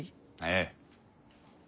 ええ。